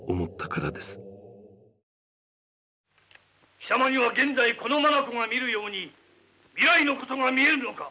貴様には現在この眼が見るように未来のことが見えるのか？